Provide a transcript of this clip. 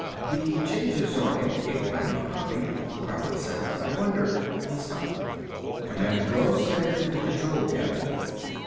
"The changes aren't indicated on your copy," the Pilot said. "I wonder " He stopped. Commander Gross had entered the control cabin.